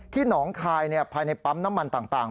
หนองคายภายในปั๊มน้ำมันต่าง